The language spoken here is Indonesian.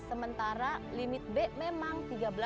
sementara limit b memang tiga belas lima belas